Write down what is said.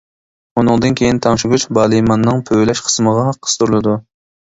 ئۇنىڭدىن كېيىن تەڭشىگۈچ بالىماننىڭ پۈۋلەش قىسمىغا قىستۇرۇلىدۇ.